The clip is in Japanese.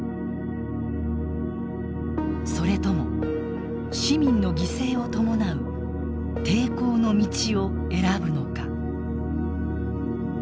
それとも市民の犠牲を伴う抵抗の道を選ぶのか。